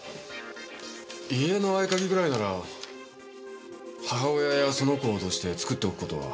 家の合鍵ぐらいなら母親やその子を脅して作っておく事は。